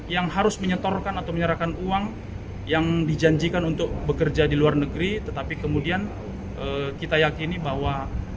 yang harus menyetorkan atau menyerahkan uang yang dijanjikan untuk bekerja di luar negeri tetapi kemudian kita yakini bahwa